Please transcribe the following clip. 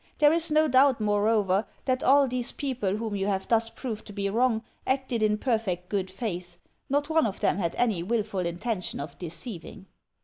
There is no doubt, moreover, that all these people whom you have thus proved to be wrong acted in perfect good faith; not one of them had any wilful intention of deceiving.